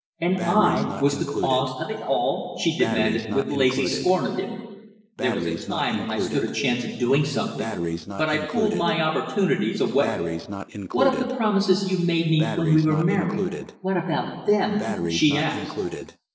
"And I was the cause of it all?" she demanded with lazy scorn of him. "There was a time when I stood a chance of doing something, but I've fooled my opportunities away!" "What of the promises you made me when we were married what about them?" she asked.